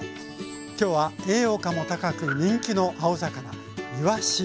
今日は栄養価も高く人気の青魚いわし。